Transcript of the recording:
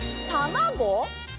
たまご？